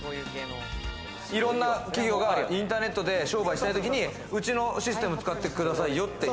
いろんな企業がインターネットで商売したい時に、うちのシステム使ってくださいよっていう？